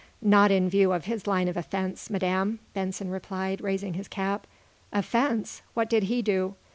"Not in view of his line of offense, madame," Benson replied, raising his cap. "Offense? What did he do?"